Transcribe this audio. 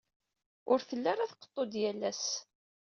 Ur telli ara tqeḍḍu-d yal ass.